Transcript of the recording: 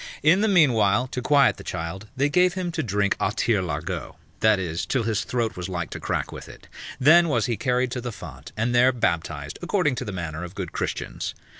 In the meanwhile, to quiet the child, they gave him to drink a tirelaregot, that is, till his throat was like to crack with it; then was he carried to the font, and there baptized, according to the manner of good Christians.